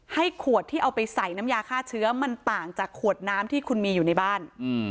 ขวดที่เอาไปใส่น้ำยาฆ่าเชื้อมันต่างจากขวดน้ำที่คุณมีอยู่ในบ้าน